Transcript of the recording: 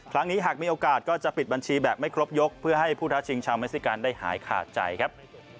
หากมีโอกาสก็จะปิดบัญชีแบบไม่ครบยกเพื่อให้ผู้ท้าชิงชาวเมซิกันได้หายขาดใจครับ